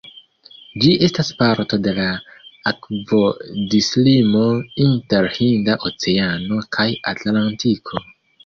Ĝi estas parto de la akvodislimo inter Hinda Oceano kaj Atlantiko.